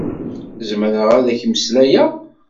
Zemreɣ ad ak-mmeslayeɣ?